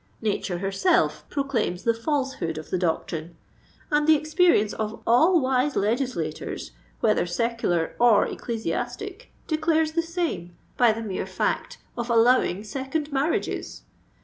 Nature herself proclaims the falsehood of the doctrine; and the experience of all wise legislators, whether secular or ecclesiastic, declares the same, by the mere fact of allowing second marriages.